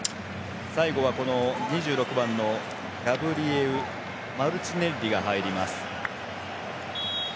最後は２６番のガブリエウ・マルチネッリが入ります。